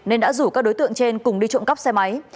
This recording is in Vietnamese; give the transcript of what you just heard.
nên đã rủ các đối tượng trên cùng đi trộm cắp xe máy